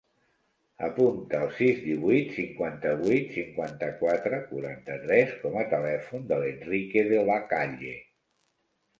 Apunta el sis, divuit, cinquanta-vuit, cinquanta-quatre, quaranta-tres com a telèfon de l'Enrique De La Calle.